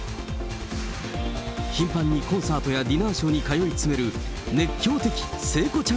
頻繁にコンサートやディナーショーに通い詰める熱狂的聖子ちゃん